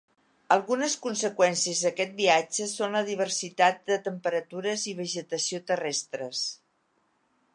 Algunes conseqüències d'aquest viatge són la diversitat de temperatures i vegetació terrestres.